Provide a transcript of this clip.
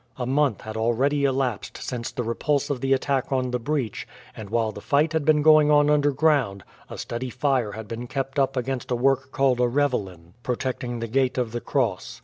A month had already elapsed since the repulse of the attack on the breach; and while the fight had been going on underground a steady fire had been kept up against a work called a ravelin, protecting the gate of the Cross.